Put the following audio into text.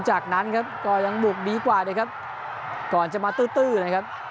จากนั้นครับก็ยังบุกดีกว่านะครับก่อนจะมาตื้อตื้อนะครับ